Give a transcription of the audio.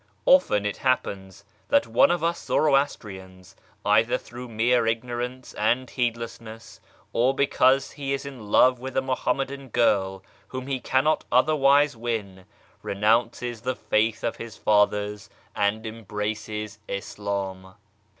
Often it happens that one of us Zoroastrians, either through mere ignorance and heedlessness, or because he is in love with a Muhammadan girl whom he cannot otherwise win, renounces the faith of his fathers and embraces Islam.